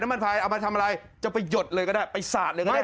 มันพายเอามาทำอะไรจะไปหยดเลยก็ได้ไปสาดเลยก็ได้